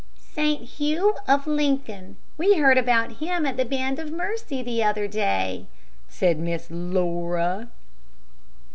"Saint Hugh, of Lincoln. We heard about him at the Band of Mercy the other day," said Miss Laura.